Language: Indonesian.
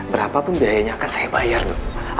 berapapun biayanya akan saya bayar tuh